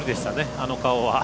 あの顔は。